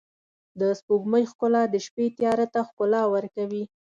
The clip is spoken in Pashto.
د سپوږمۍ ښکلا د شپې تیاره ته ښکلا ورکوي.